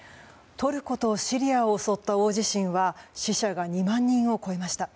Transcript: トルコとシリアを襲った大地震は死者が２万人を超えました。